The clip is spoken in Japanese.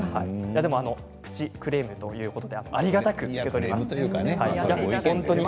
プチクレームということでありがたく受け取ります。